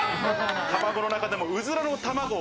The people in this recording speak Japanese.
卵の中でも、うずらの卵。